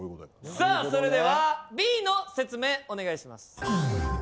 さあそれではＢの説明お願いします。